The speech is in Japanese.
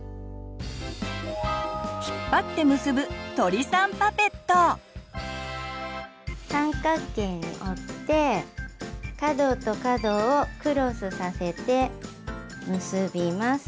引っ張って三角形に折って角と角をクロスさせて結びます。